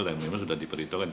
dan memang sudah diperhitungkan